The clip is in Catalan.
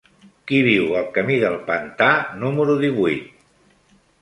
Qui viu al camí del Pantà número divuit?